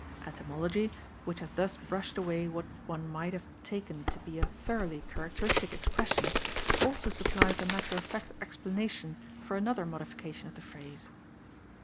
Etymology, which has thus brushed away what one might have taken to be a thoroughly characteristic expression, also supplies a matter of fact explanation for another modification of the phrase.